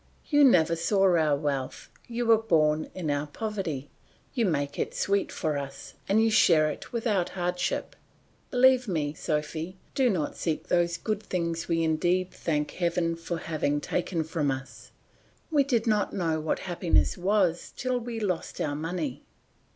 You never saw our wealth, you were born in our poverty; you make it sweet for us, and you share it without hardship. Believe me, Sophy, do not seek those good things we indeed thank heaven for having taken from us; we did not know what happiness was till we lost our money.